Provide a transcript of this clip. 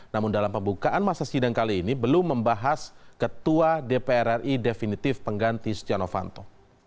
namun dalam pembukaan masa sidang kali ini belum membahas ketua dpr ri definitif pengganti stiano fanto